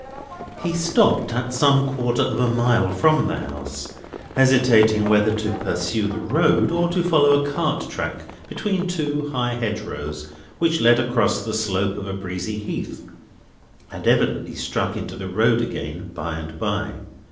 He stopped at some quarter of a mile from the house, hesitating whether to pursue the road, or to follow a cart track between two high hedgerows, which led across the slope of a breezy heath, and evidently struck into the road again by and by.